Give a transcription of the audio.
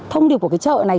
thông điệp của cái chợ này